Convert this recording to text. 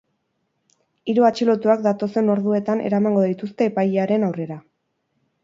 Hiru atxilotuak datozen orduetan eramango dituzte epailearen aurrera.